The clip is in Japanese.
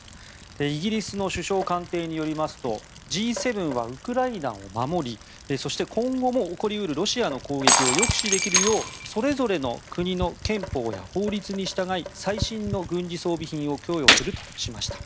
イギリスの首相官邸によりますとＧ７はウクライナを守りそして、今後も起こり得るロシアの攻撃を抑止できるようそれぞれの国の憲法や法律に従い最新の軍事装備品を供与するとしました。